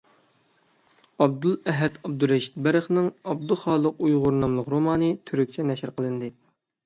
ئابدۇلئەھەد ئابدۇرېشىت بەرقىنىڭ «ئابدۇخالىق ئۇيغۇر» ناملىق رومانى تۈركچە نەشر قىلىندى.